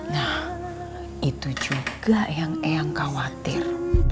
nah itu juga yang eyang khawatir